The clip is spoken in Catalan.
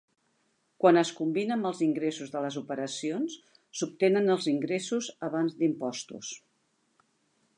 Quan es combina amb els ingressos de les operacions, s'obtenen els ingressos abans d'impostos.